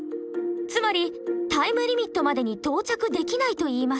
つまりタイムリミットまでに到着できないといいます。